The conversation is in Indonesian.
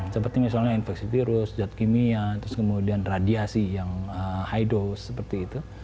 seperti misalnya infeksi virus zat kimia terus kemudian radiasi yang high dose seperti itu